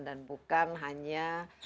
dan bukan hanya